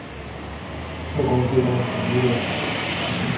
特工最终全部被处决。